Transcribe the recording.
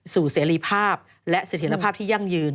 เสรีภาพและเสถียรภาพที่ยั่งยืน